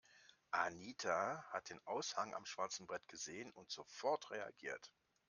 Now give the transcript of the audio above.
Anita hat den Aushang am schwarzen Brett gesehen und sofort reagiert.